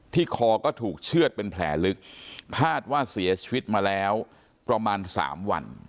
คอก็ถูกเชื่อดเป็นแผลลึกคาดว่าเสียชีวิตมาแล้วประมาณ๓วัน